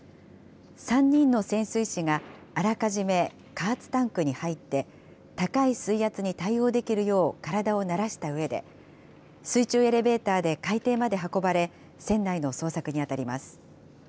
３人の潜水士が、あらかじめ加圧タンクに入って、高い水圧に対応できるよう体を慣らしたうえで、水中エレベーターで海底まで運ばれ、船内の捜索に当たります。